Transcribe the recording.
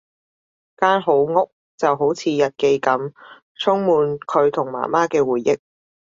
間好屋就好似日記噉，充滿佢同媽媽嘅回憶